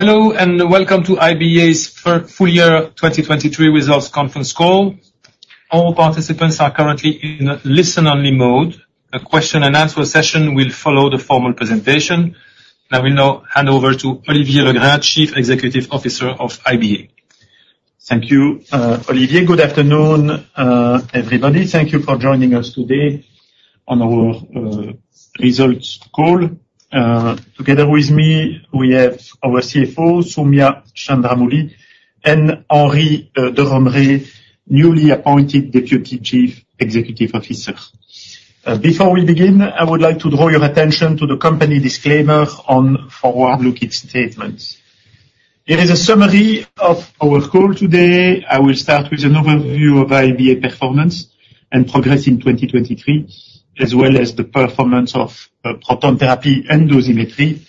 Hello and welcome to IBA's Full Year 2023 Results Conference Call. All participants are currently in listen-only mode. A question-and-answer session will follow the formal presentation. Now we'll hand over to Olivier Legrain, Chief Executive Officer of IBA. Thank you, Olivier. Good afternoon, everybody. Thank you for joining us today on our results call. Together with me, we have our CFO, Soumya Chandramouli, and Henri de Romrée, newly appointed Deputy Chief Executive Officer. Before we begin, I would like to draw your attention to the company disclaimer on forward-looking statements. Here is a summary of our call today. I will start with an overview of IBA performance and progress in 2023, as well as the performance of proton therapy and dosimetry.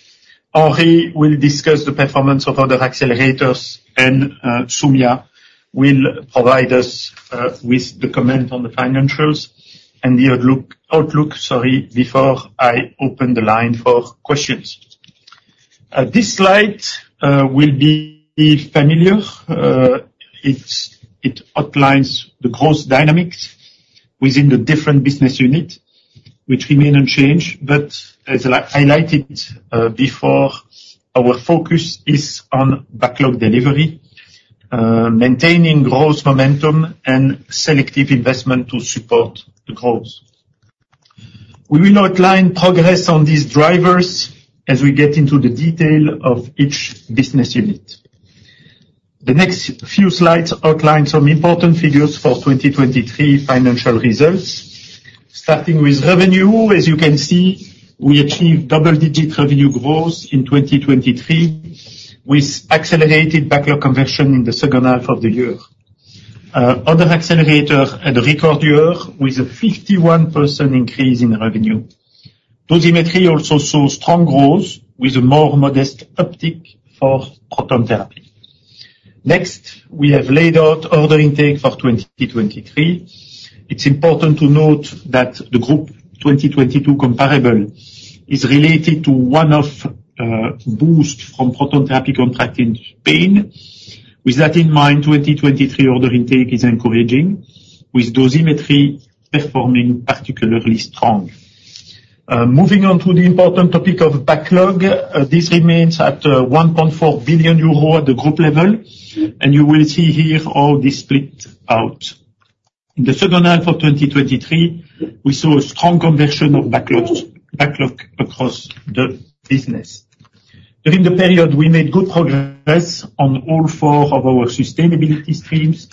Henri will discuss the performance of other accelerators, and Soumya will provide us with the comment on the financials and the outlook, sorry, before I open the line for questions. This slide will be familiar. It outlines the growth dynamics within the different business units, which remain unchanged, but as I highlighted before, our focus is on backlog delivery, maintaining growth momentum, and selective investment to support the growth. We will outline progress on these drivers as we get into the detail of each business unit. The next few slides outline some important figures for 2023 financial results. Starting with revenue, as you can see, we achieved double-digit revenue growth in 2023 with accelerated backlog conversion in the second half of the year. Other Accelerators had a record year with a 51% increase in revenue. Dosimetry also saw strong growth with a more modest uptick for Proton Therapy. Next, we have laid out order intake for 2023. It's important to note that the group 2022 comparable is related to one-off boost from Proton Therapy contract in Spain. With that in mind, 2023 order intake is encouraging, with dosimetry performing particularly strong. Moving on to the important topic of backlog, this remains at 1.4 billion euro at the group level, and you will see here all this split out. In the second half of 2023, we saw a strong conversion of backlog across the business. During the period, we made good progress on all four of our sustainability streams.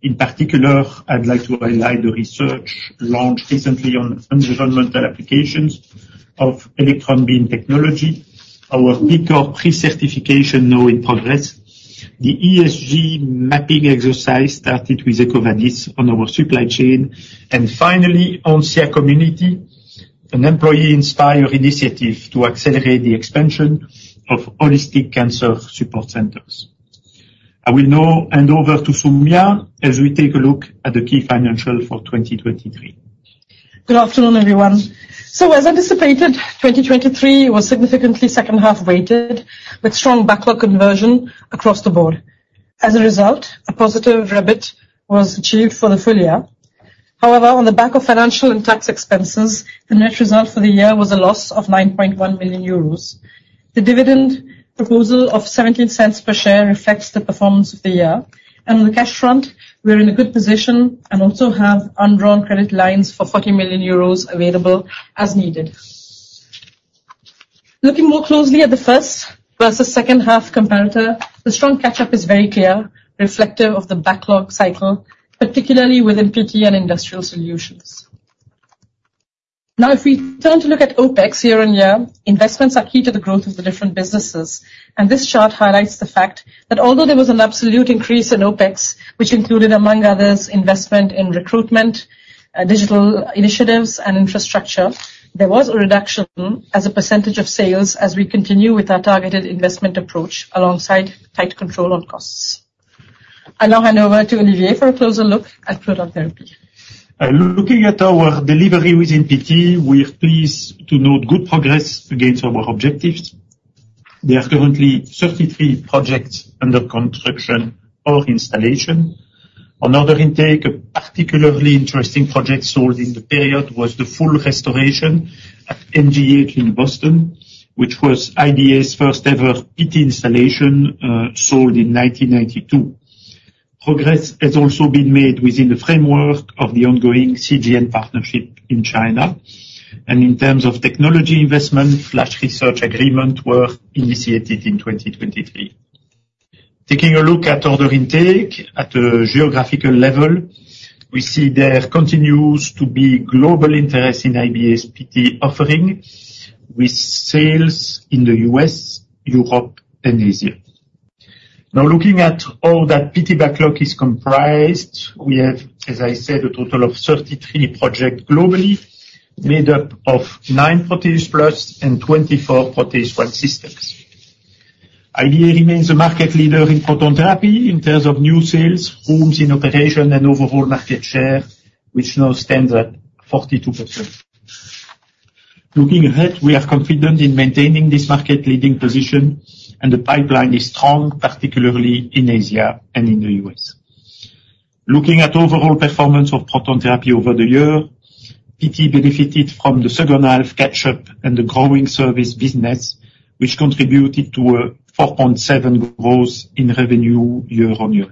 In particular, I'd like to highlight the research launched recently on environmental applications of electron beam technology, our B Corp pre-certification now in progress, the ESG mapping exercise started with EcoVadis on our supply chain, and finally, Oncia Community, an employee-inspired initiative to accelerate the expansion of holistic cancer support centers. I will now hand over to Soumya as we take a look at the key financials for 2023. Good afternoon, everyone. So, as anticipated, 2023 was significantly second-half-weighted, with strong backlog conversion across the board. As a result, a positive REBIT was achieved for the full year. However, on the back of financial and tax expenses, the net result for the year was a loss of 9.1 million euros. The dividend proposal of 0.17 per share reflects the performance of the year. On the cash front, we're in a good position and also have undrawn credit lines for 40 million euros available as needed. Looking more closely at the first versus second-half comparator, the strong catch-up is very clear, reflective of the backlog cycle, particularly within PT and industrial solutions. Now, if we turn to look at OPEX year-on-year, investments are key to the growth of the different businesses, and this chart highlights the fact that although there was an absolute increase in OPEX, which included, among others, investment in recruitment, digital initiatives, and infrastructure, there was a reduction as a percentage of sales as we continue with our targeted investment approach alongside tight control on costs. I'll now hand over to Olivier for a closer look at proton therapy. Looking at our delivery within PT, we're pleased to note good progress against our objectives. There are currently 33 projects under construction or installation. On order intake, a particularly interesting project sold in the period was the full restoration at MGH in Boston, which was IBA's first-ever PT installation, sold in 1992. Progress has also been made within the framework of the ongoing CGN partnership in China, and in terms of technology investment, FLASH research agreements were initiated in 2023. Taking a look at order intake, at a geographical level, we see there continues to be global interest in IBA's PT offering with sales in the U.S., Europe, and Asia. Now, looking at how that PT backlog is comprised, we have, as I said, a total of 33 projects globally made up of 9 ProteusPLUS and 24 ProteusONE systems. IBA remains a market leader in proton therapy in terms of new sales, rooms in operation, and overall market share, which now stands at 42%. Looking ahead, we are confident in maintaining this market-leading position, and the pipeline is strong, particularly in Asia and in the US. Looking at overall performance of proton therapy over the year, PT benefited from the second-half catch-up and the growing service business, which contributed to a 4.7% growth in revenue year-on-year.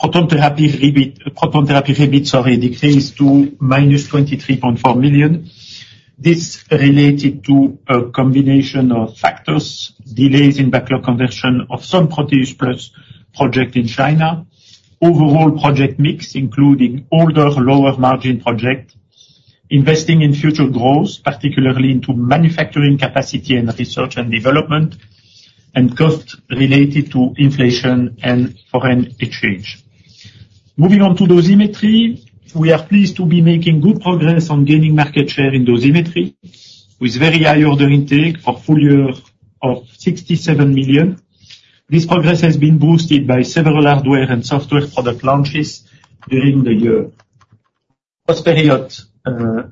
Proton therapy REBIT, sorry, decreased to 23.4 million. This related to a combination of factors: delays in backlog conversion of some ProteusPLUS projects in China, overall project mix including older, lower-margin projects, investing in future growth, particularly into manufacturing capacity and research and development, and costs related to inflation and foreign exchange. Moving on to dosimetry, we are pleased to be making good progress on gaining market share in dosimetry with very high order intake for full year of 67 million. This progress has been boosted by several hardware and software product launches during the year. Post-period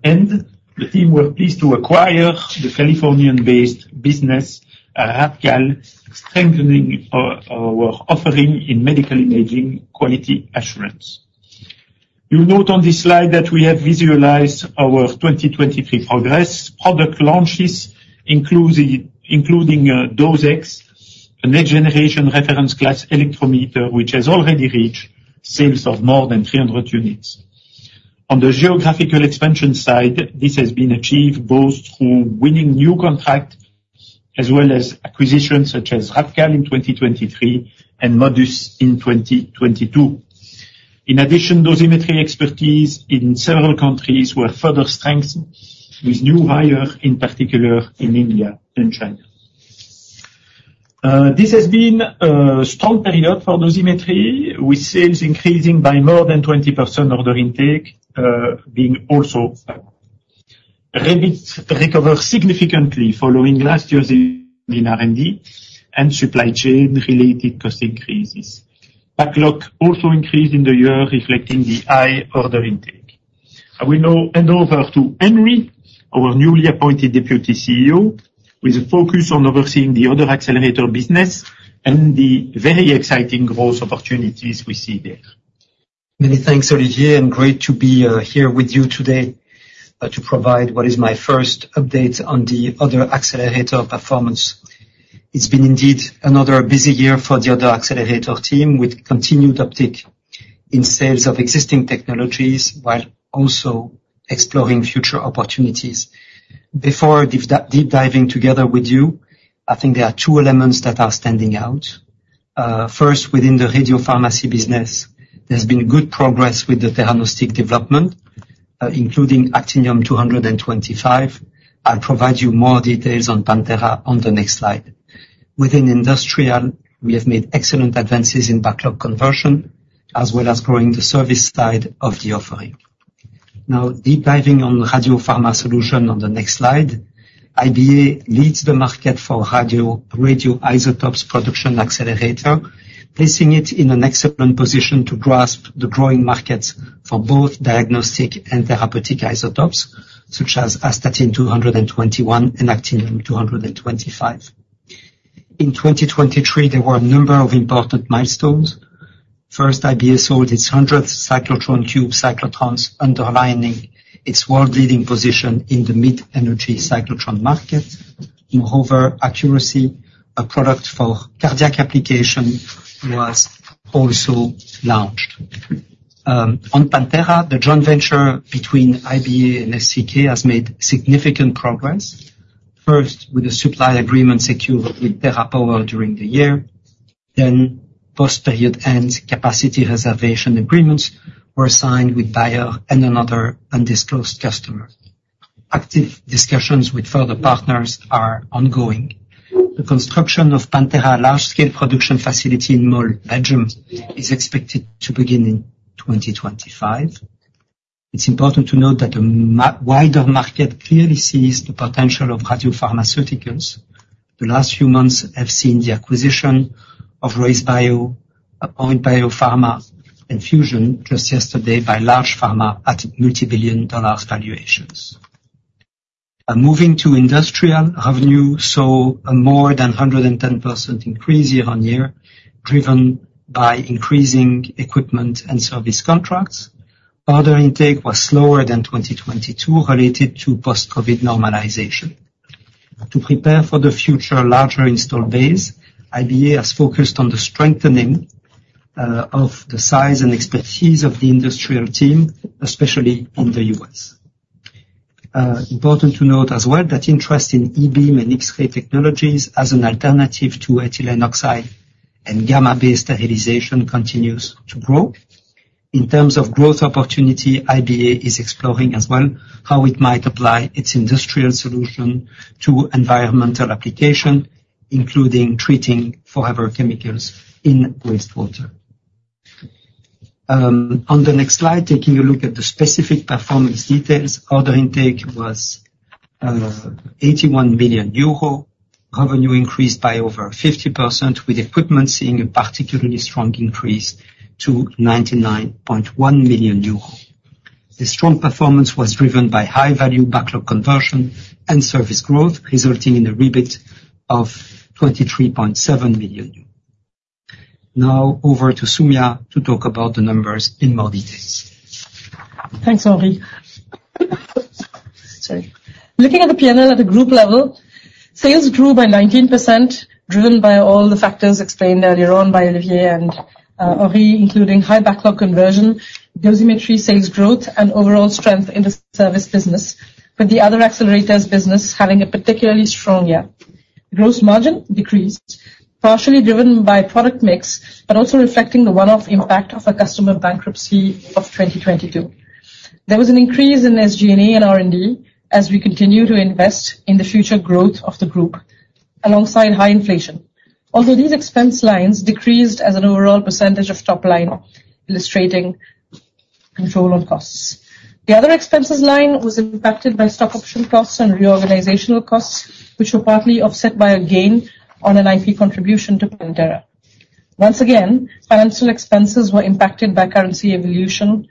end, the team were pleased to acquire the Californian-based business, Radcal, strengthening our offering in medical imaging quality assurance. You'll note on this slide that we have visualized our 2023 progress. Product launches include DOSE-X, a next-generation reference-class electrometer, which has already reached sales of more than 300 units. On the geographical expansion side, this has been achieved both through winning new contracts as well as acquisitions such as Radcal in 2023 and Modus in 2022. In addition, dosimetry expertise in several countries were further strengthened with new hires, in particular in India and China. This has been a strong period for dosimetry, with sales increasing by more than 20%, order intake being also strong. REBITs recover significantly following last year's increases in R&D and supply chain-related cost increases. Backlog also increased in the year, reflecting the high order intake. I will now hand over to Henri, our newly appointed Deputy CEO, with a focus on overseeing the other accelerator business and the very exciting growth opportunities we see there. Many thanks, Olivier, and great to be here with you today to provide what is my first update on the other accelerator performance. It's been indeed another busy year for the other accelerator team with continued uptick in sales of existing technologies while also exploring future opportunities. Before deep diving together with you, I think there are two elements that are standing out. First, within the radiopharmacy business, there's been good progress with the theranostics development, including Actinium-225. I'll provide you more details on Pantera on the next slide. Within industrial, we have made excellent advances in backlog conversion as well as growing the service side of the offering. Now, deep diving on radiopharma solution on the next slide, IBA leads the market for radioisotopes production accelerator, placing it in an excellent position to grasp the growing markets for both diagnostic and therapeutic isotopes such as Astatine-211 and Actinium-225. In 2023, there were a number of important milestones. First, IBA sold its 100th Cyclone KIUBE cyclotron, underlining its world-leading position in the mid-energy cyclotron market. Moreover, accuracy, a product for cardiac application, was also launched. On Pantera, the joint venture between IBA and SCK has made significant progress. First, with a supply agreement secured with TerraPower during the year, then post-period end capacity reservation agreements were signed with Bayer and another undisclosed customer. Active discussions with further partners are ongoing. The construction of Pantera large-scale production facility in Mol, Belgium is expected to begin in 2025. It's important to note that a much wider market clearly sees the potential of radiopharmaceuticals. The last few months have seen the acquisition of RayzeBio, Point Biopharma and Fusion Pharmaceuticals just yesterday by large pharma at multi-billion-dollar valuations. Moving to industrial, revenue saw a more than 110% increase year-on-year, driven by increasing equipment and service contracts. Order intake was slower than 2022 related to post-COVID normalization. To prepare for the future larger installed base, IBA has focused on the strengthening of the size and expertise of the industrial team, especially in the US. Important to note as well that interest in e-beam and X-ray technologies as an alternative to ethylene oxide and gamma-based sterilization continues to grow. In terms of growth opportunity, IBA is exploring as well how it might apply its industrial solution to environmental application, including treating forever chemicals in wastewater. On the next slide, taking a look at the specific performance details, order intake was 81 million euro, revenue increased by over 50%, with equipment seeing a particularly strong increase to 99.1 million euro. The strong performance was driven by high-value backlog conversion and service growth, resulting in a REBIT of 23.7 million. Now, over to Soumya to talk about the numbers in more detail. Thanks, Henri. Sorry. Looking at the P&L at the group level, sales grew by 19%, driven by all the factors explained earlier on by Olivier and, Henri, including high backlog conversion, dosimetry sales growth, and overall strength in the service business, with the other accelerators' business having a particularly strong year. Gross margin decreased, partially driven by product mix but also reflecting the one-off impact of a customer bankruptcy of 2022. There was an increase in SG&A and R&D as we continue to invest in the future growth of the group alongside high inflation, although these expense lines decreased as an overall percentage of top line, illustrating control on costs. The other expenses line was impacted by stock option costs and reorganizational costs, which were partly offset by a gain on an IP contribution to Pantera. Once again, financial expenses were impacted by currency evolution,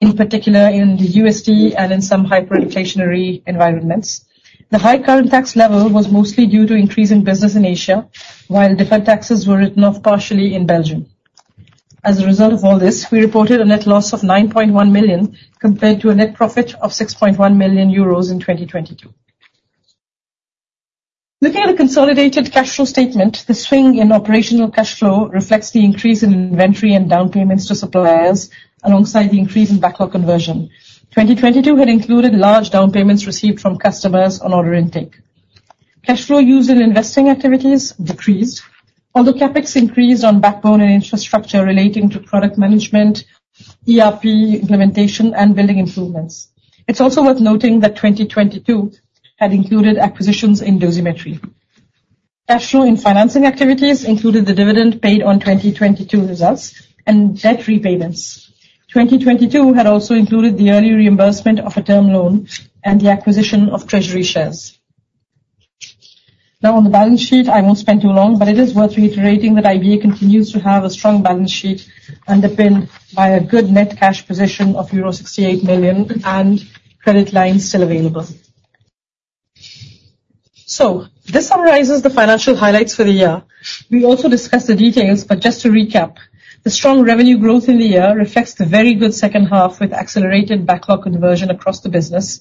in particular in the USD and in some hyperinflationary environments. The high current tax level was mostly due to increasing business in Asia, while deferred taxes were written off partially in Belgium. As a result of all this, we reported a net loss of 9.1 million compared to a net profit of 6.1 million euros in 2022. Looking at the consolidated cash flow statement, the swing in operational cash flow reflects the increase in inventory and down payments to suppliers alongside the increase in backlog conversion. 2022 had included large down payments received from customers on order intake. Cash flow used in investing activities decreased, although CAPEX increased on backbone and infrastructure relating to product management, ERP implementation, and building improvements. It's also worth noting that 2022 had included acquisitions in dosimetry. Cash flow in financing activities included the dividend paid on 2022 results and debt repayments. 2022 had also included the early reimbursement of a term loan and the acquisition of treasury shares. Now, on the balance sheet, I won't spend too long, but it is worth reiterating that IBA continues to have a strong balance sheet underpinned by a good net cash position of euro 68 million and credit lines still available. So this summarizes the financial highlights for the year. We also discussed the details, but just to recap, the strong revenue growth in the year reflects the very good second half with accelerated backlog conversion across the business.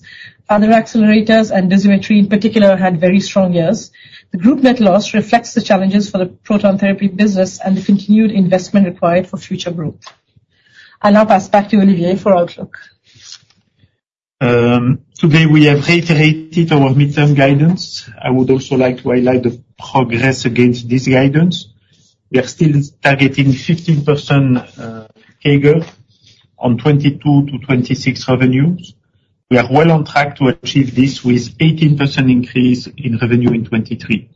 Other accelerators and dosimetry, in particular, had very strong years. The group net loss reflects the challenges for the proton therapy business and the continued investment required for future growth. I'll now pass back to Olivier for outlook. Today we have reiterated our mid-term guidance. I would also like to highlight the progress against this guidance. We are still targeting 15% CAGR on 2022 to 2026 revenues. We are well on track to achieve this with an 18% increase in revenue in 2023.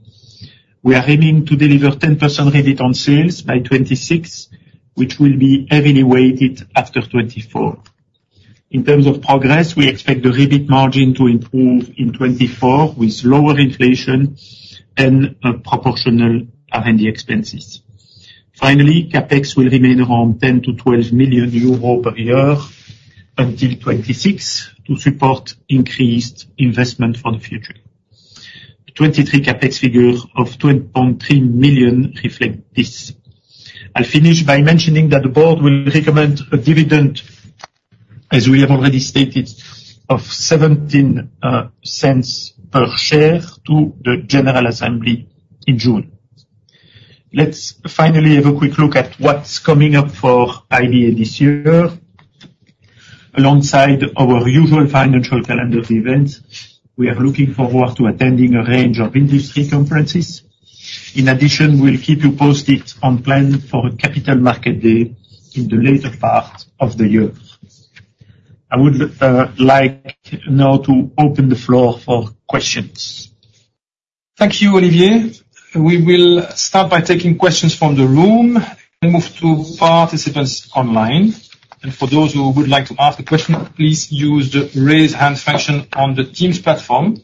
We are aiming to deliver a 10% REBIT on sales by 2026, which will be heavily weighted after 2024. In terms of progress, we expect the REBIT margin to improve in 2024 with lower inflation and proportional R&D expenses. Finally, CapEx will remain around 10-12 million euros per year until 2026 to support increased investment for the future. The 2023 CapEx figure of 2.3 million reflects this. I'll finish by mentioning that the board will recommend a dividend, as we have already stated, of 0.17 per share to the general assembly in June. Let's finally have a quick look at what's coming up for IBA this year. Alongside our usual financial calendar events, we are looking forward to attending a range of industry conferences. In addition, we'll keep you posted on plan for a Capital Market Day in the later part of the year. I would like now to open the floor for questions. Thank you, Olivier. We will start by taking questions from the room and move to participants online. And for those who would like to ask a question, please use the raise hand function on the Teams platform.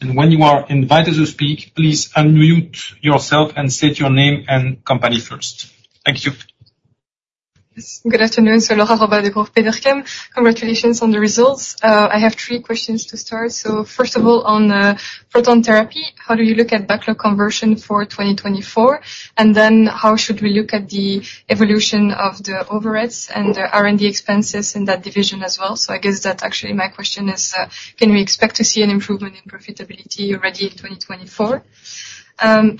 And when you are invited to speak, please unmute yourself and state your name and company first. Thank you. Yes. Good afternoon. So Laura Roba from Degroof Petercam. Congratulations on the results. I have three questions to start. So first of all, on proton therapy, how do you look at backlog conversion for 2024? And then how should we look at the evolution of the overheads and the R&D expenses in that division as well? So I guess that actually my question is, can we expect to see an improvement in profitability already in 2024?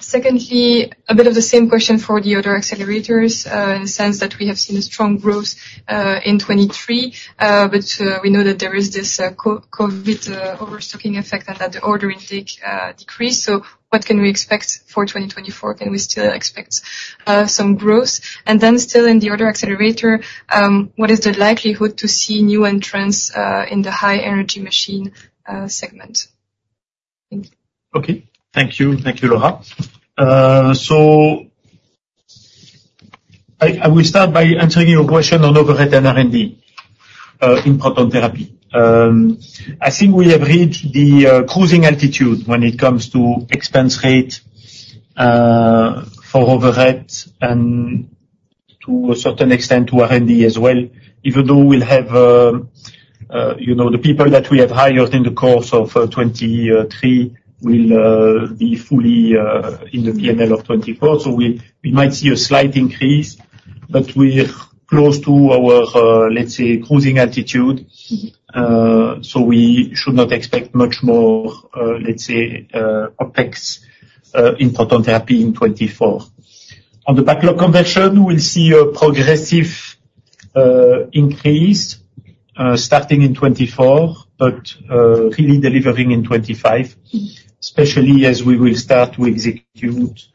Secondly, a bit of the same question for the other accelerators, in the sense that we have seen a strong growth in 2023, but we know that there is this post-COVID overstocking effect and that the order intake decreased. So what can we expect for 2024? Can we still expect some growth? And then still in the other accelerator, what is the likelihood to see new entrants in the high-energy machine segment? Thank you. Okay. Thank you. Thank you, Laura. So I will start by answering your question on overhead and R&D in proton therapy. I think we have reached the cruising altitude when it comes to expense rate for overhead and to a certain extent to R&D as well, even though we'll have, you know, the people that we have hired in the course of 2023 will be fully in the P&L of 2024. So we might see a slight increase, but we're close to our, let's say, cruising altitude. So we should not expect much more, let's say, OPEX in proton therapy in 2024. On the backlog conversion, we'll see a progressive increase starting in 2024 but really delivering in 2025, especially as we will start to execute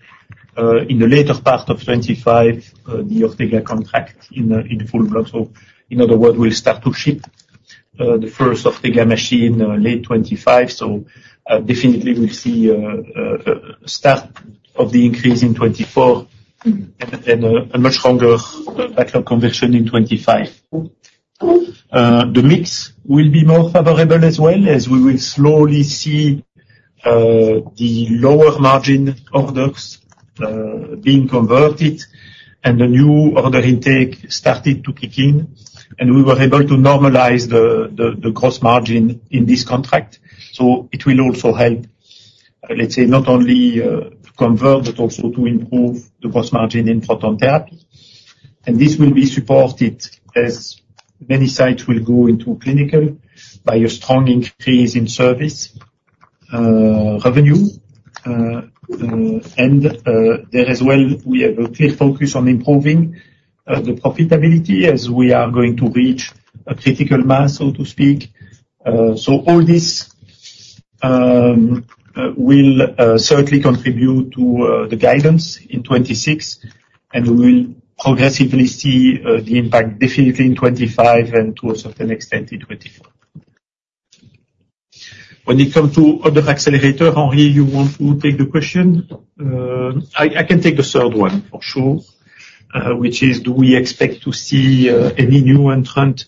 in the later part of 2025 the Ortega contract in full block. So in other words, we'll start to ship the first Ortega machine late 2025. So, definitely we'll see start of the increase in 2024 and a much longer backlog conversion in 2025. The mix will be more favorable as well as we will slowly see the lower margin orders being converted and the new order intake start to kick in. And we were able to normalize the gross margin in this contract. So it will also help, let's say, not only to convert but also to improve the gross margin in proton therapy. And this will be supported as many sites will go into clinical by a strong increase in service revenue, and there as well we have a clear focus on improving the profitability as we are going to reach a critical mass, so to speak. All this will certainly contribute to the guidance in 2026, and we will progressively see the impact definitely in 2025 and to a certain extent in 2024. When it comes to other accelerators, Henri, you want to take the question? I can take the third one for sure, which is, do we expect to see any new entrant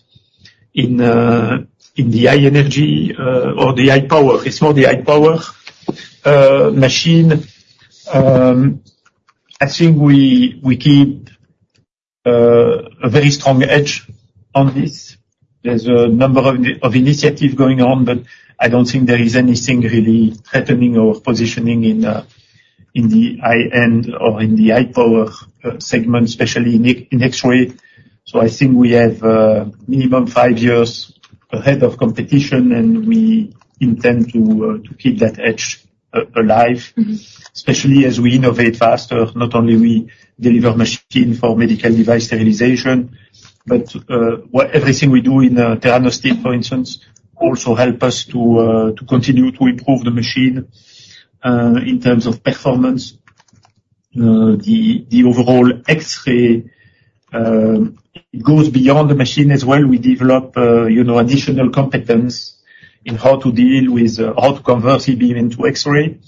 in the high-energy or the high-power? It's more the high-power machine. I think we keep a very strong edge on this. There's a number of initiatives going on, but I don't think there is anything really threatening or positioning in the high-end or in the high-power segment, especially in X-ray. So I think we have minimum five years ahead of competition, and we intend to keep that edge alive, especially as we innovate faster. Not only we deliver machine for medical device sterilization, but whatever we do in Theranostics, for instance, also helps us to continue to improve the machine in terms of performance. The overall X-ray, it goes beyond the machine as well. We develop, you know, additional competence in how to deal with, how to convert E-beam into X-ray,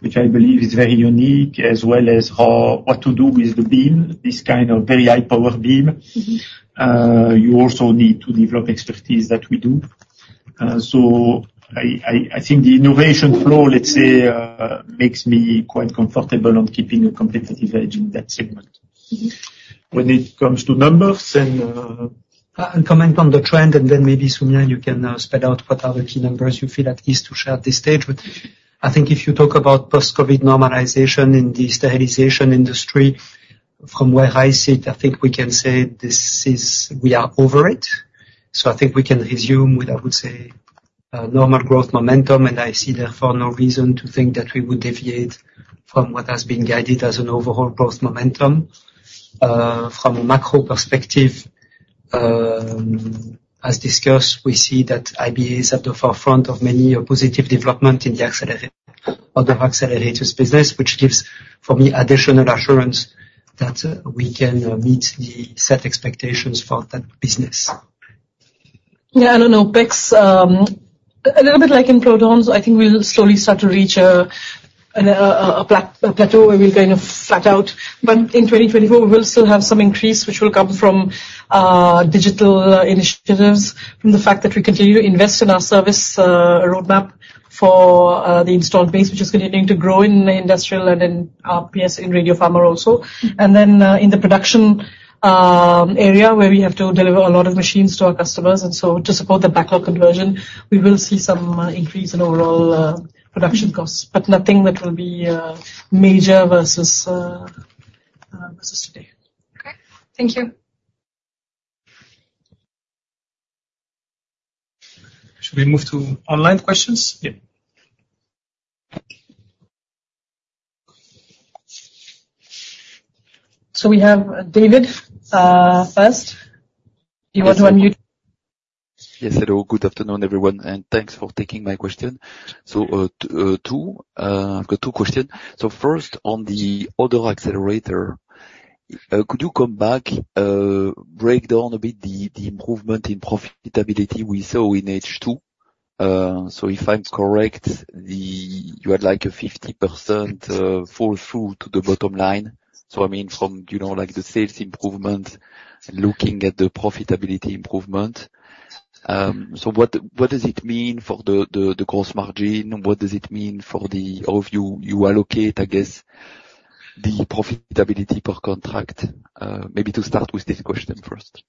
which I believe is very unique, as well as how what to do with the beam, this kind of very high-power beam. You also need to develop expertise that we do. So I think the innovation flow, let's say, makes me quite comfortable on keeping a competitive edge in that segment. When it comes to numbers and comment on the trend, and then maybe, Soumya, you can spell out what are the key numbers you feel at ease to share at this stage. But I think if you talk about post-COVID normalization in the sterilization industry, from where I see it, I think we can say this is we are over it. So I think we can resume with, I would say, normal growth momentum, and I see therefore no reason to think that we would deviate from what has been guided as an overall growth momentum. From a macro perspective, as discussed, we see that IBA is at the forefront of many positive developments in the Other Accelerators business, which gives, for me, additional assurance that we can meet the set expectations for that business. Yeah. I don't know. OPEX, a little bit like in protons, I think we'll slowly start to reach a plateau where we'll kind of flat out. But in 2024, we will still have some increase, which will come from digital initiatives, from the fact that we continue to invest in our service roadmap for the installed base, which is continuing to grow in the industrial and, yes, in radio pharma also. And then, in the production area where we have to deliver a lot of machines to our customers, and so to support the backlog conversion, we will see some increase in overall production costs, but nothing that will be major versus today. Okay. Thank you. Should we move to online questions? Yeah. We have David, first. Do you want to unmute? Yes. Hello. Good afternoon, everyone, and thanks for taking my question. So, two, I've got two questions. So first, on the other accelerator, could you come back, break down a bit the improvement in profitability we saw in H2? So if I'm correct, you had like a 50% fall through to the bottom line. So I mean from, you know, like the sales improvement and looking at the profitability improvement. So what does it mean for the gross margin? What does it mean for how you allocate, I guess, the profitability per contract? Maybe to start with this question first.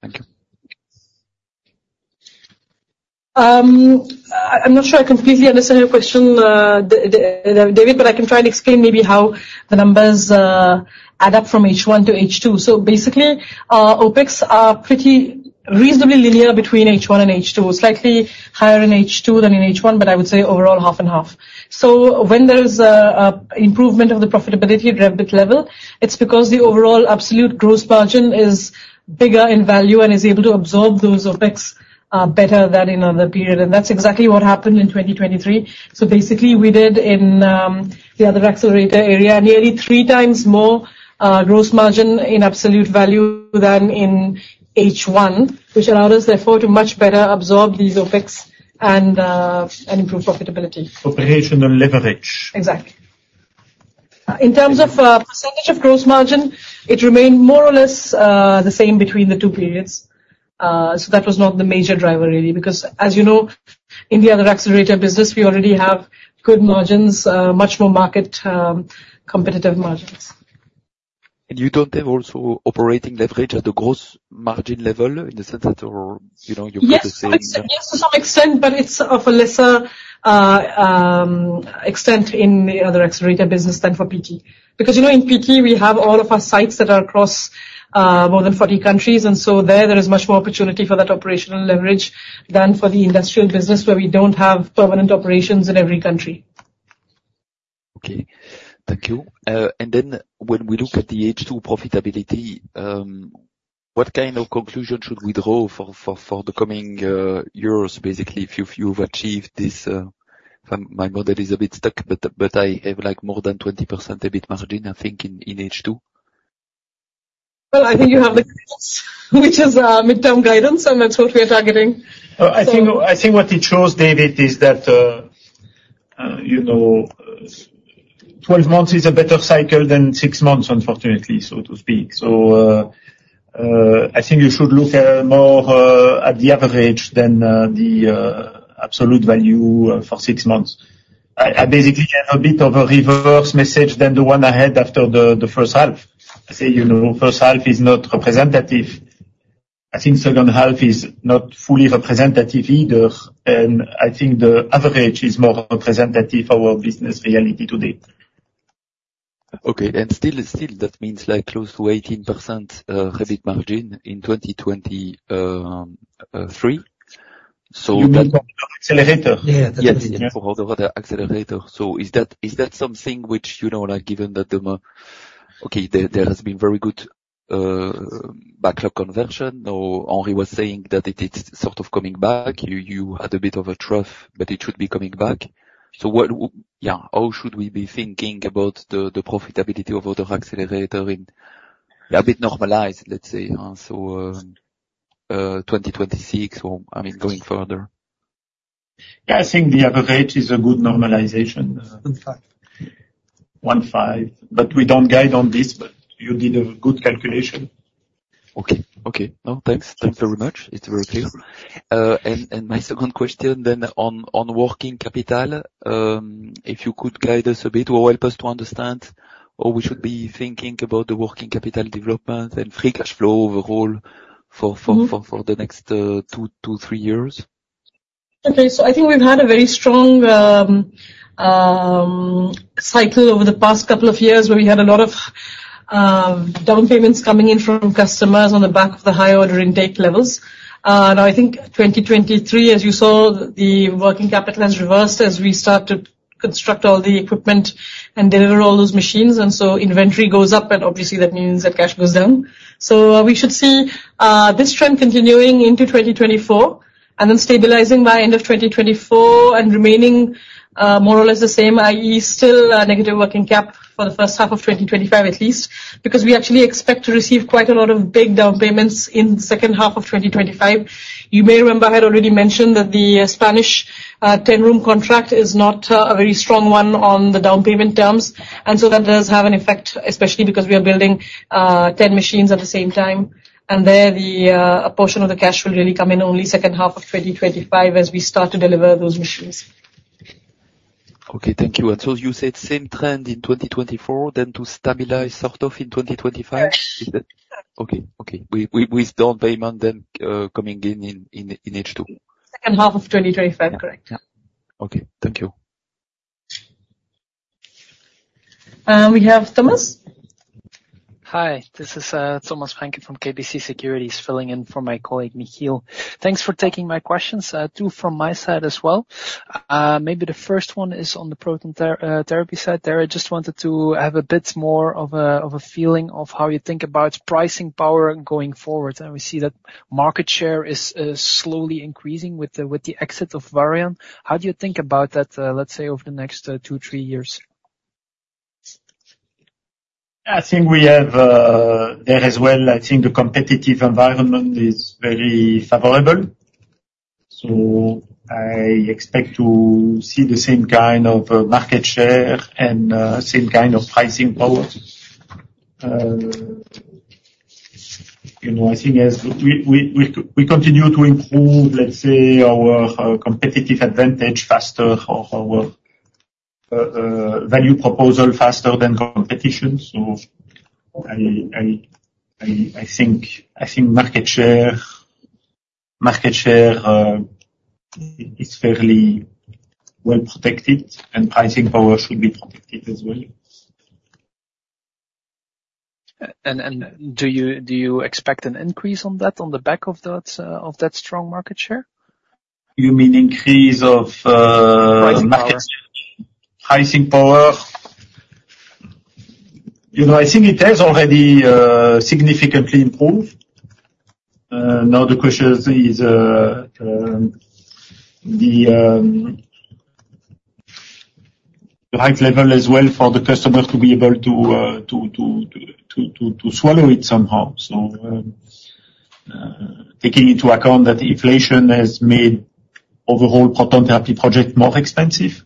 Thank you. I'm not sure I completely understand your question, David, but I can try and explain maybe how the numbers add up from H1 to H2. So basically, OPEX are pretty reasonably linear between H1 and H2, slightly higher in H2 than in H1, but I would say overall half and half. So when there is an improvement of the profitability revenue level, it's because the overall absolute gross margin is bigger in value and is able to absorb those OPEX better than in another period. And that's exactly what happened in 2023. So basically, we did in the other accelerator area nearly three times more gross margin in absolute value than in H1, which allowed us therefore to much better absorb these OPEX and improve profitability. Operational leverage. Exactly. In terms of percentage of gross margin, it remained more or less the same between the two periods. So that was not the major driver really because, as you know, in the Other Accelerators business, we already have good margins, much more market competitive margins. You don't have also operating leverage at the gross margin level in the sense that you're, you know, you're processing? Yes. Yes. Yes, to some extent, but it's of a lesser extent in the other accelerator business than for PT. Because, you know, in PT, we have all of our sites that are across more than 40 countries, and so there is much more opportunity for that operational leverage than for the industrial business where we don't have permanent operations in every country. Okay. Thank you. Then when we look at the H2 profitability, what kind of conclusion should we draw for the coming years, basically, if you, if you've achieved this? My model is a bit stuck, but I have like more than 20% EBIT margin, I think, in H2. Well, I think you have the guidance, which is, midterm guidance, and that's what we are targeting. I think I think what it shows, David, is that, you know, 12 months is a better cycle than 6 months, unfortunately, so to speak. So, I think you should look more at the average than the absolute value for 6 months. I, I basically have a bit of a reverse message than the one I had after the, the first half. I say, you know, first half is not representative. I think second half is not fully representative either, and I think the average is more representative for our business reality today. Okay. And still, still that means like close to 18% REBIT margin in 2023. So that. You mean for other accelerator? Yes. For other accelerator. So is that something which, you know, like given that the, okay, there has been very good backlog conversion. No, Henri was saying that it, it's sort of coming back. You had a bit of a trough, but it should be coming back. So, what, yeah. How should we be thinking about the profitability of other accelerator in, yeah, a bit normalized, let's say, huh? So, 2026 or I mean going further. Yeah. I think the average is a good normalization, 1.5. 1.5. But we don't guide on this, but you did a good calculation. Okay. Okay. No, thanks. Thanks very much. It's very clear. My second question then on working capital, if you could guide us a bit or help us to understand how we should be thinking about the working capital development and free cash flow overall for the next 2-3 years. Okay. So I think we've had a very strong cycle over the past couple of years where we had a lot of down payments coming in from customers on the back of the high order intake levels. Now I think 2023, as you saw, the working capital has reversed as we start to construct all the equipment and deliver all those machines, and so inventory goes up, and obviously, that means that cash goes down. So, we should see this trend continuing into 2024 and then stabilizing by end of 2024 and remaining more or less the same, i.e., still a negative working cap for the first half of 2025 at least because we actually expect to receive quite a lot of big down payments in the second half of 2025. You may remember I had already mentioned that the Spanish 10-room contract is not a very strong one on the down payment terms, and so that does have an effect, especially because we are building 10 machines at the same time. And there, a portion of the cash will really come in only second half of 2025 as we start to deliver those machines. Okay. Thank you. And so you said same trend in 2024 then to stabilize sort of in 2025? Yes. Is that okay? Okay. We, with down payment then, coming in in H2? Second half of 2025. Correct. Yeah. Okay. Thank you. We have Thomas. Hi. This is Thomas Vranken from KBC Securities filling in for my colleague Mikhail. Thanks for taking my questions, too, from my side as well. Maybe the first one is on the proton therapy side. There, I just wanted to have a bit more of a of a feeling of how you think about pricing power going forward. And we see that market share is slowly increasing with the exit of Varian. How do you think about that, let's say, over the next 2-3 years? Yeah. I think we have there as well. I think the competitive environment is very favorable. So I expect to see the same kind of market share and same kind of pricing power, you know. I think as we continue to improve, let's say, our competitive advantage faster or our value proposal faster than competition. So I think market share is fairly well protected, and pricing power should be protected as well. And, do you expect an increase on that on the back of that strong market share? You mean increase of market share? Pricing power. Pricing power. You know, I think it has already significantly improved. Now the question is, the high level as well for the customer to be able to to swallow it somehow. So, taking into account that inflation has made overall proton therapy project more expensive.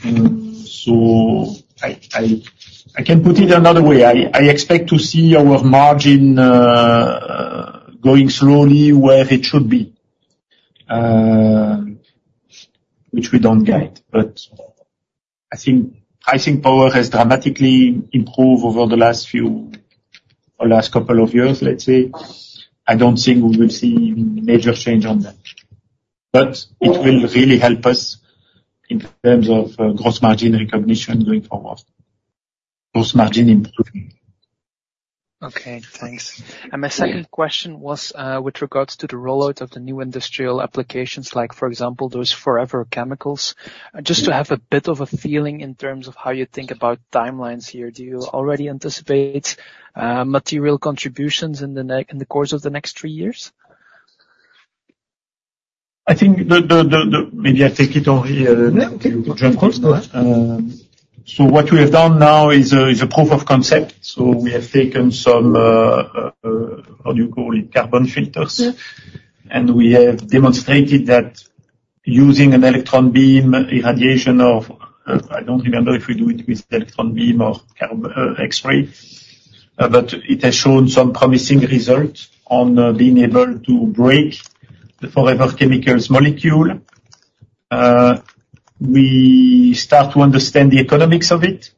So I can put it another way. I expect to see our margin going slowly where it should be, which we don't guide. But I think pricing power has dramatically improved over the last few or last couple of years, let's say. I don't think we will see major change on that. But it will really help us in terms of gross margin recognition going forward, gross margin improvement. Okay. Thanks. And my second question was, with regards to the rollout of the new industrial applications, like, for example, those Forever Chemicals. Just to have a bit of a feeling in terms of how you think about timelines here, do you already anticipate material contributions in the near term in the course of the next three years? I think maybe I take it, Henri. Yeah. Okay. To John Paul. Go ahead. So what we have done now is a proof of concept. So we have taken some, how do you call it? Carbon filters. And we have demonstrated that using an electron beam irradiation of, I don't remember if we do it with electron beam or gamma X-ray. But it has shown some promising result on being able to break the Forever Chemicals molecule. We start to understand the economics of it,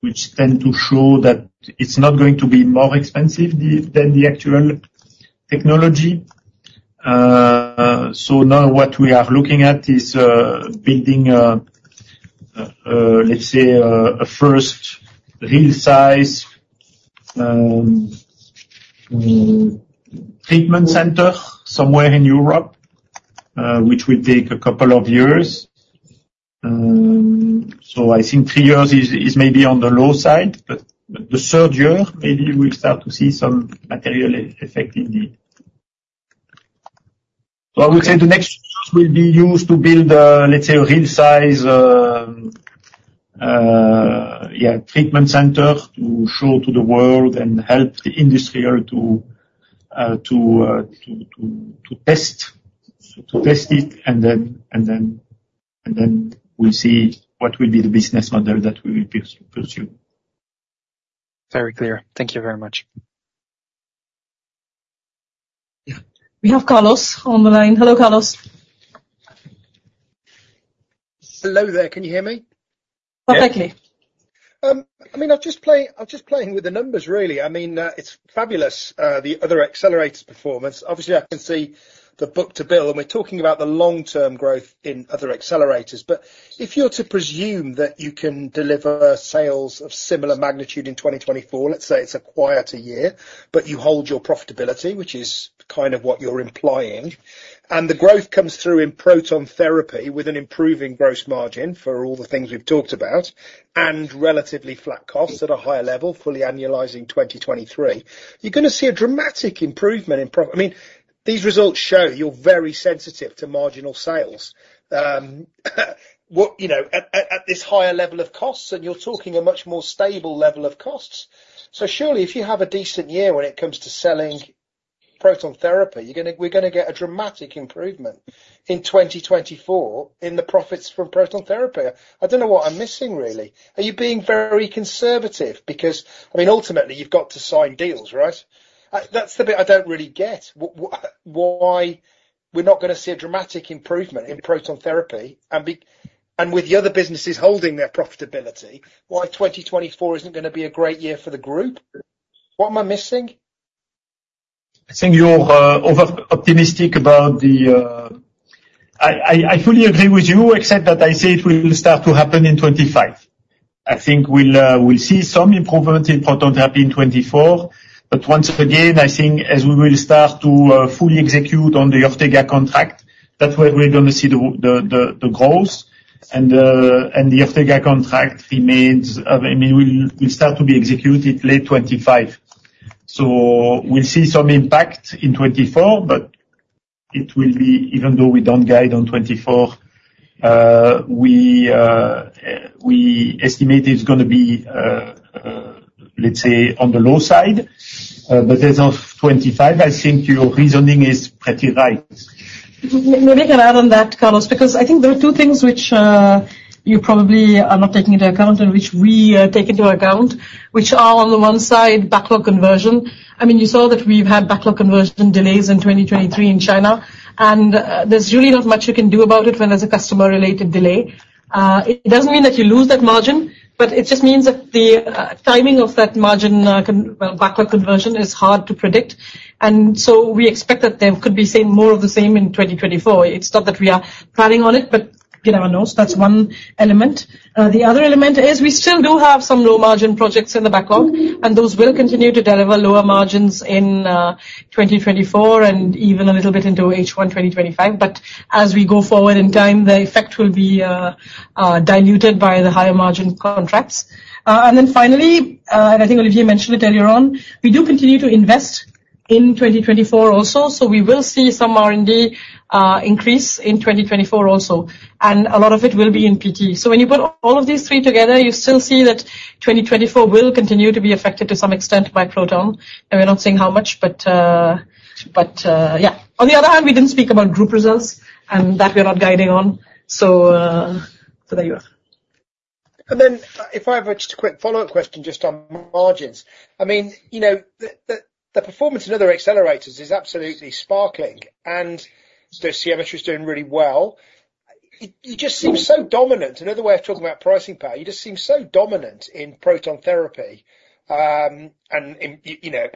which tend to show that it's not going to be more expensive than the actual technology. So now what we are looking at is building, let's say, a first real-size treatment center somewhere in Europe, which will take a couple of years. So I think three years is maybe on the low side, but the third year, maybe we'll start to see some material effect indeed. I would say the next years will be used to build, let's say, a real-size, yeah, treatment center to show to the world and help the industrial to test it and then we'll see what will be the business model that we will pursue. Very clear. Thank you very much. Yeah. We have Carlos on the line. Hello, Carlos. Hello there. Can you hear me? Perfectly. I mean, I'm just playing with the numbers, really. I mean, it's fabulous, the Other Accelerators' performance. Obviously, I can see the book-to-bill, and we're talking about the long-term growth in Other Accelerators. But if you're to presume that you can deliver sales of similar magnitude in 2024, let's say it's a quieter year, but you hold your profitability, which is kind of what you're implying, and the growth comes through in proton therapy with an improving gross margin for all the things we've talked about and relatively flat costs at a higher level, fully annualizing 2023, you're gonna see a dramatic improvement in prof. I mean, these results show you're very sensitive to marginal sales, you know, at this higher level of costs, and you're talking a much more stable level of costs. So surely, if you have a decent year when it comes to selling proton therapy, you're gonna we're gonna get a dramatic improvement in 2024 in the profits from proton therapy. I don't know what I'm missing, really. Are you being very conservative because I mean, ultimately, you've got to sign deals, right? That's the bit I don't really get. Why we're not gonna see a dramatic improvement in proton therapy and with the other businesses holding their profitability, why 2024 isn't gonna be a great year for the group? What am I missing? I think you're overoptimistic about the. I fully agree with you, except that I say it will start to happen in 2025. I think we'll see some improvement in proton therapy in 2024. But once again, I think as we will start to fully execute on the Ortega contract, that's where we're gonna see the growth. And the Ortega contract remains. I mean, we'll start to be executed late 2025. So we'll see some impact in 2024, but it will be even though we don't guide on 2024, we estimate it's gonna be, let's say, on the low side. But as of 2025, I think your reasoning is pretty right. Maybe can I add on that, Carlos, because I think there are two things which you probably are not taking into account and which we take into account, which are on the one side, backlog conversion. I mean, you saw that we've had backlog conversion delays in 2023 in China, and there's really not much you can do about it when there's a customer-related delay. It doesn't mean that you lose that margin, but it just means that the timing of that margin can, well, backlog conversion is hard to predict. And so we expect that there could be say more of the same in 2024. It's not that we are planning on it, but you never know. So that's one element. The other element is we still do have some low-margin projects in the backlog, and those will continue to deliver lower margins in 2024 and even a little bit into H1 2025. But as we go forward in time, the effect will be diluted by the higher-margin contracts. And then finally, and I think, Olivier, you mentioned it earlier on, we do continue to invest in 2024 also. So we will see some R&D increase in 2024 also, and a lot of it will be in PT. So when you put all of these three together, you still see that 2024 will continue to be affected to some extent by proton. And we're not seeing how much, but, but, yeah. On the other hand, we didn't speak about group results, and that we are not guiding on. So, so there you are. Then if I have just a quick follow-up question just on margins. I mean, you know, the performance in other accelerators is absolutely sparkling, and their symmetry's doing really well. It just seems so dominant. Another way of talking about pricing power, you just seem so dominant in proton therapy, and you know,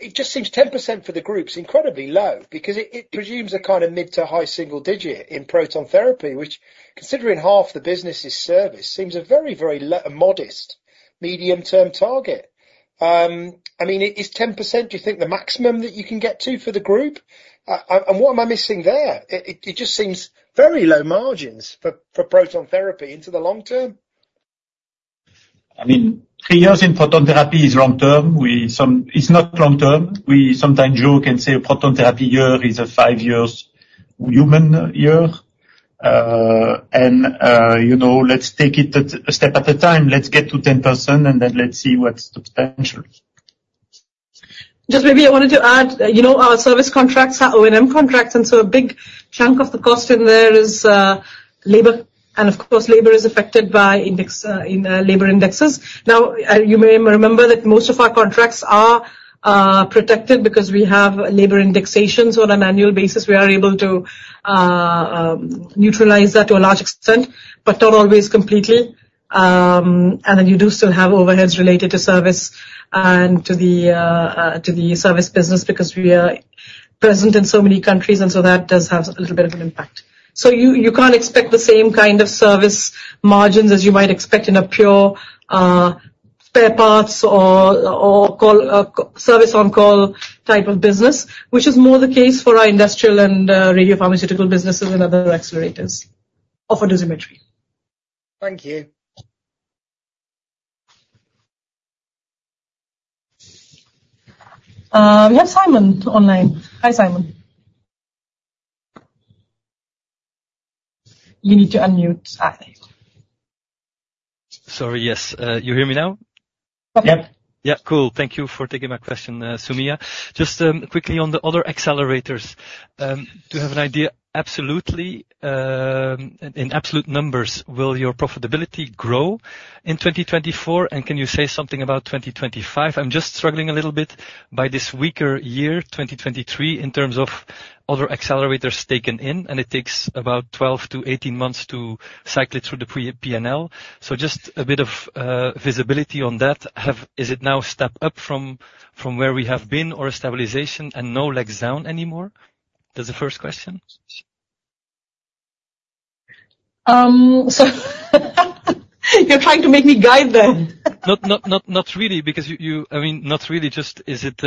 it just seems 10% for the group's incredibly low because it presumes a kind of mid- to high-single-digit in proton therapy, which, considering half the business is service, seems a very, very low, a modest medium-term target. I mean, is 10% do you think the maximum that you can get to for the group? And what am I missing there? It just seems very low margins for proton therapy into the long term. I mean, 3 years in proton therapy is long term. We see it's not long term. We sometimes joke and say a proton therapy year is a 5-year human year. You know, let's take it one step at a time. Let's get to 10%, and then let's see what's substantial. Just maybe I wanted to add, you know, our service contracts are O&M contracts, and so a big chunk of the cost in there is labor. And of course, labor is affected by indexation in labor indexes. Now, you may remember that most of our contracts are protected because we have labor indexations. On an annual basis, we are able to neutralize that to a large extent, but not always completely. And then you do still have overheads related to service and to the service business because we are present in so many countries, and so that does have a little bit of an impact. So you can't expect the same kind of service margins as you might expect in a pure spare parts or call center service on-call type of business, which is more the case for our industrial and radiopharmaceutical businesses and Other Accelerators offer dosimetry. Thank you. We have Simon online. Hi, Simon. You need to unmute. Hi. Sorry. Yes. You hear me now? Okay. Yep. Yep. Cool. Thank you for taking my question, Soumya. Just quickly on the Other Accelerators to have an idea, absolutely, in absolute numbers, will your profitability grow in 2024? And can you say something about 2025? I'm just struggling a little bit by this weaker year, 2023, in terms of Other Accelerators taken in, and it takes about 12-18 months to cycle it through the pre-P&L. So just a bit of visibility on that. Have is it now a step up from, from where we have been or a stabilization and no legs down anymore? That's the first question. You're trying to make me guide there. Not really because you, I mean, not really. Just is it,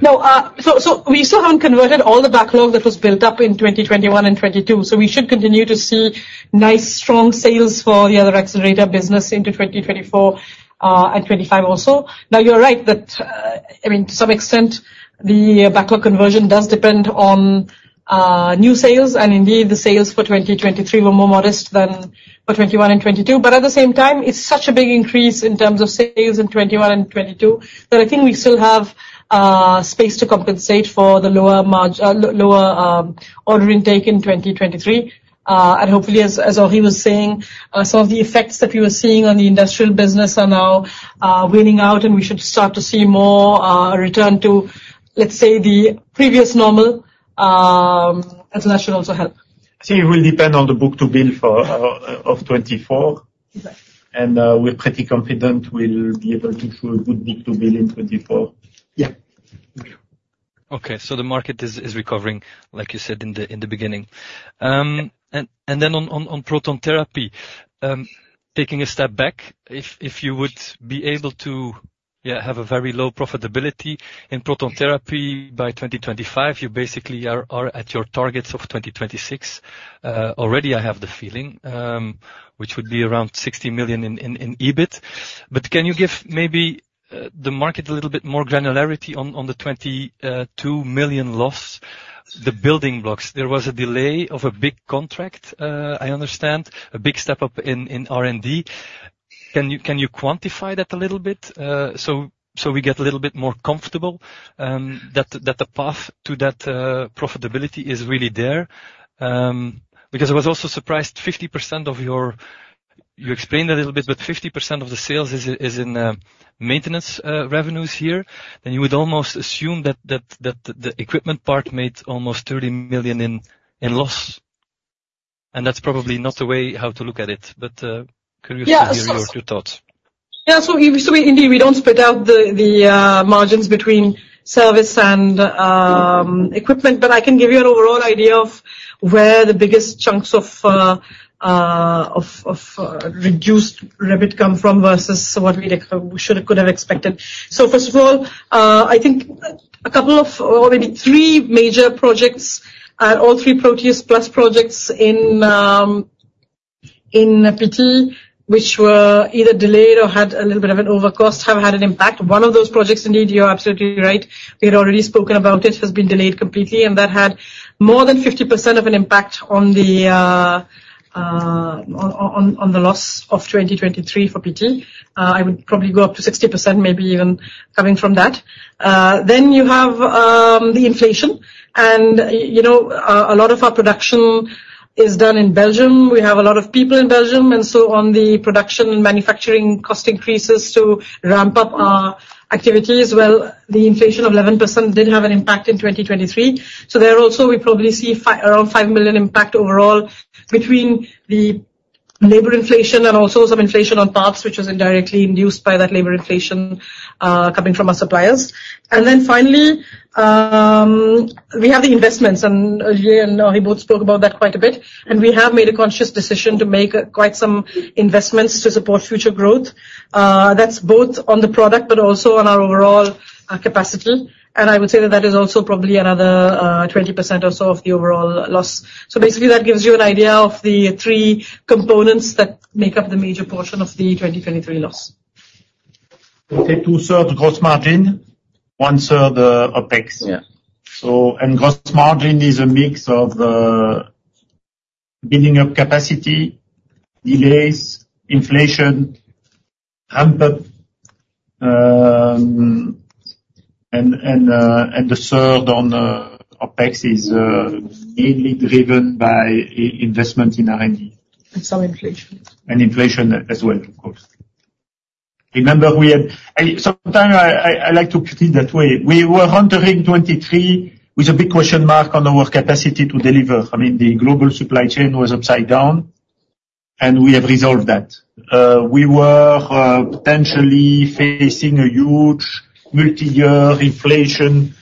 No, so we still haven't converted all the backlog that was built up in 2021 and 2022. So we should continue to see nice, strong sales for the other accelerator business into 2024 and 2025 also. Now, you're right that, I mean, to some extent, the backlog conversion does depend on new sales. And indeed, the sales for 2023 were more modest than for 2021 and 2022. But at the same time, it's such a big increase in terms of sales in 2021 and 2022 that I think we still have space to compensate for the lower margin, lower order intake in 2023. And hopefully, as Henri was saying, some of the effects that we were seeing on the industrial business are now waning out, and we should start to see more return to, let's say, the previous normal. And so that should also help. So it will depend on the book-to-bill for 2024? Exactly. We're pretty confident we'll be able to show a good book-to-bill in 2024? Yeah. Thank you. Okay. So the market is recovering, like you said, in the beginning. And then on proton therapy, taking a step back, if you would be able to, yeah, have a very low profitability in proton therapy by 2025, you basically are at your targets of 2026 already. I have the feeling, which would be around 60 million in EBIT. But can you give maybe the margin a little bit more granularity on the 22 million loss, the building blocks? There was a delay of a big contract, I understand, a big step up in R&D. Can you quantify that a little bit, so we get a little bit more comfortable, that the path to that profitability is really there? Because I was also surprised 50% of your sales. You explained a little bit, but 50% of the sales is in maintenance revenues here. And you would almost assume that the equipment part made almost 30 million in loss. And that's probably not the way to look at it. But curious to hear your thoughts. Yeah. So yeah. So we, so we indeed, we don't split out the margins between service and equipment. But I can give you an overall idea of where the biggest chunks of reduced rebate come from versus what we should have could have expected. So first of all, I think a couple of or maybe three major projects are all three ProteusPLUS projects in PT, which were either delayed or had a little bit of an overcost, have had an impact. One of those projects, indeed, you're absolutely right. We had already spoken about it, has been delayed completely. And that had more than 50% of an impact on the loss of 2023 for PT. I would probably go up to 60%, maybe even coming from that. Then you have the inflation. And you know, a lot of our production is done in Belgium. We have a lot of people in Belgium. And so on the production and manufacturing cost increases to ramp up our activities, well, the inflation of 11% did have an impact in 2023. So there also, we probably see five around 5 million impact overall between the labor inflation and also some inflation on parts, which was indirectly induced by that labor inflation, coming from our suppliers. And then finally, we have the investments. And Olivier and Henri both spoke about that quite a bit. And we have made a conscious decision to make quite some investments to support future growth. That’s both on the product but also on our overall capacity. And I would say that that is also probably another 20% or so of the overall loss. Basically, that gives you an idea of the three components that make up the major portion of the 2023 loss. Okay. Two-thirds gross margin, one-third OPEX. Yeah. gross margin is a mix of building up capacity, delays, inflation, ramp-up, and the third one, OPEX is mainly driven by investment in R&D. And some inflation. Inflation as well, of course. Remember, we had. I sometimes like to put it that way. We were entering 2023 with a big question mark on our capacity to deliver. I mean, the global supply chain was upside down, and we have resolved that. We were potentially facing a huge multi-year inflation,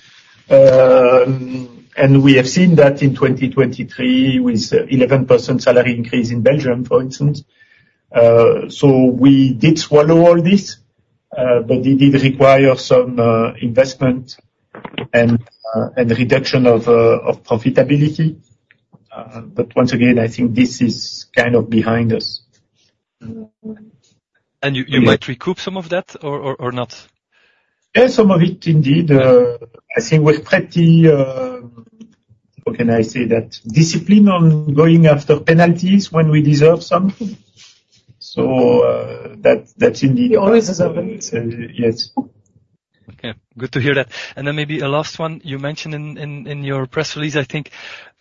and we have seen that in 2023 with 11% salary increase in Belgium, for instance. We did swallow all this, but it did require some investment and reduction of profitability. Once again, I think this is kind of behind us. You might recoup some of that or not? Yeah. Some of it, indeed. I think we're pretty, how can I say that? Disciplined on going after penalties when we deserve something. So, that, that's indeed. You always deserve it. yes. Okay. Good to hear that. And then maybe a last one. You mentioned in your press release, I think,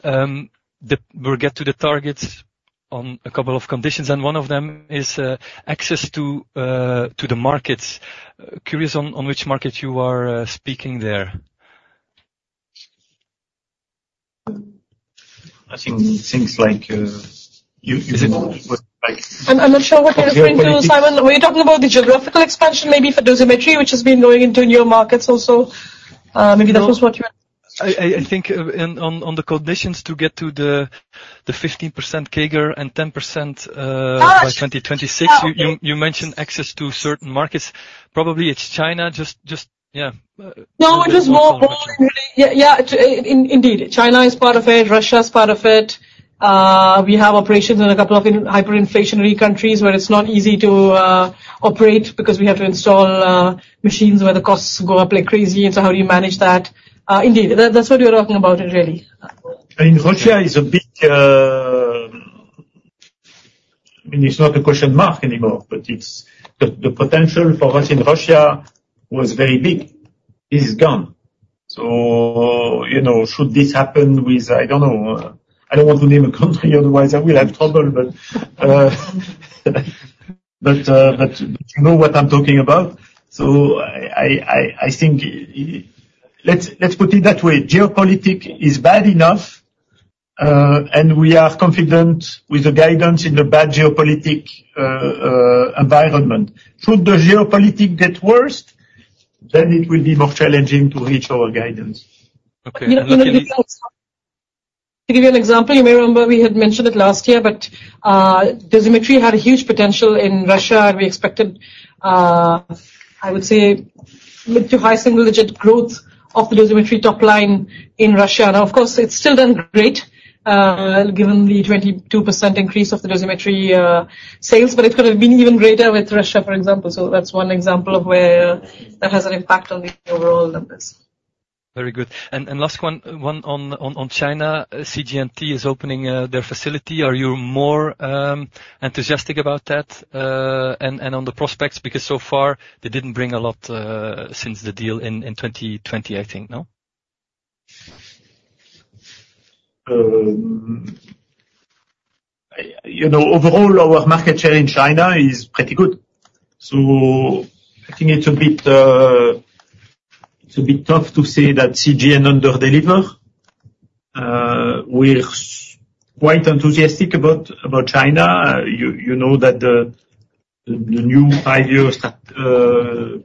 that we'll get to the targets on a couple of conditions. And one of them is access to the markets. Curious on which market you are speaking there. I think things like, you want like. Is it? I'm, I'm not sure what you're referring to, Simon. Were you talking about the geographical expansion, maybe for dosimetry, which has been going into newer markets also? Maybe that was what you were? I think on the conditions to get to the 15% CAGR and 10% by 2026. actually. You mentioned access to certain markets. Probably it's China. Yeah. No, it was more ball and really yeah, yeah. It, in, indeed, China is part of it. Russia's part of it. We have operations in a couple of hyperinflationary countries where it's not easy to operate because we have to install machines where the costs go up like crazy. And so how do you manage that? Indeed, that's what you're talking about, really. Russia is a big, I mean, it's not a question mark anymore, but it's the, the potential for us in Russia was very big. It is gone. So, you know, should this happen with I don't know. I don't want to name a country. Otherwise, I will have trouble. But, but, but, but you know what I'm talking about. So I, I, I, I think let's, let's put it that way. Geopolitics is bad enough, and we are confident with the guidance in the bad geopolitical environment. Should the geopolitics get worse, then it will be more challenging to reach our guidance. Okay. And to give you an example, you may remember we had mentioned it last year, but dosimetry had a huge potential in Russia. And we expected, I would say, mid to high single-digit growth of the dosimetry top line in Russia. Now, of course, it's still done great, given the 22% increase of the dosimetry sales. But it could have been even greater with Russia, for example. So that's one example of where that has an impact on the overall numbers. Very good. And last one on China. CGN is opening their facility. Are you more enthusiastic about that, and on the prospects? Because so far, they didn't bring a lot since the deal in 2020, I think, no? I, you know, overall, our market share in China is pretty good. So I think it's a bit tough to say that CGN under-deliver. We're quite enthusiastic about China. You know that the new Five-Year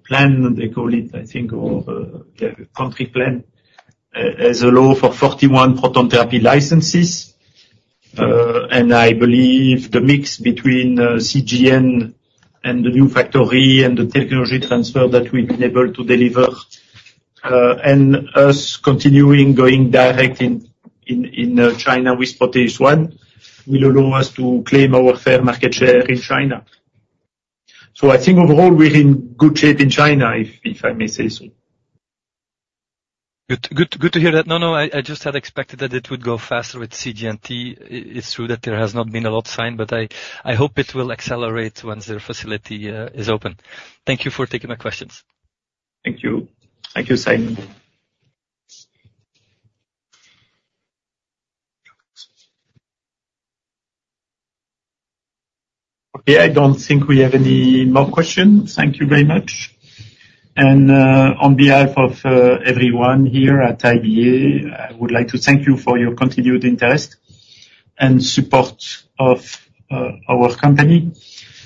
Plan, they call it, I think, or, yeah, country plan, has a goal for 41 proton therapy licenses. And I believe the mix between CGN and the new factory and the technology transfer that we've been able to deliver, and us continuing going direct in China with Proteus ONE will allow us to claim our fair market share in China. So I think overall, we're in good shape in China, if I may say so. Good, good, good to hear that. No, no. I just had expected that it would go faster with CGN. It's true that there has not been a lot signed. But I hope it will accelerate once their facility is open. Thank you for taking my questions. Thank you. Thank you, Simon. Okay. I don't think we have any more questions. Thank you very much. And, on behalf of everyone here at IBA, I would like to thank you for your continued interest and support of our company.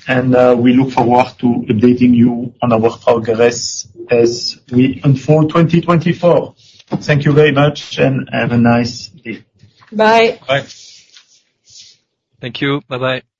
And, we look forward to updating you on our progress as we unfold 2024. Thank you very much, and have a nice day. Bye. Bye. Thank you. Bye-bye.